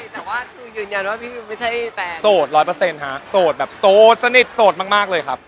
แต่ว่าคือยืนยันว่าพี่ไม่ใช่โสดร้อยเปอร์เซ็นต์ฮะโสดแบบโสดสนิทโสดมากเลยครับ